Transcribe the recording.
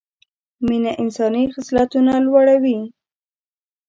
مینه انساني خصلتونه لوړه وي